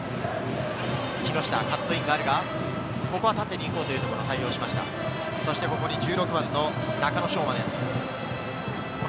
木下、カットインがあるが、ここは縦に行こうというところ、対応しました、１６番の中野翔真です。